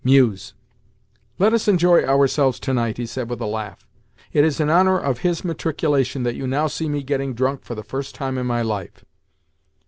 [Mews.] "Let us enjoy ourselves to night," he said with a laugh. "It is in honour of his matriculation that you now see me getting drunk for the first time in my life."